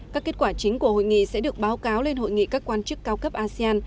các kết quả chính của hội nghị sẽ được báo cáo lên hội nghị các quan chức cao cấp asean